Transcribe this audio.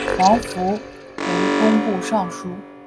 黄福为工部尚书。